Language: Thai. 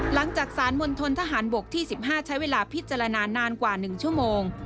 หลังจากสารมณฑนทหารบกที่๑๕ใช้เวลาพิจารณานานกว่า๑ชั่วโมง